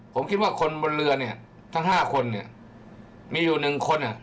ผมคิดว่าคนบนเรือเนี่ยทั้ง๕คนเนี่ยมีอยู่๑คน